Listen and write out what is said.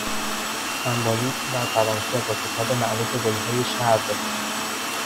سمبولیسم در فرانسه با کتاب معروف گل های شر